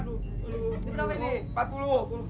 ini berapa ini